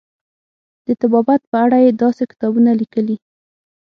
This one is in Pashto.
د طبابت په اړه یې داسې کتابونه لیکلي.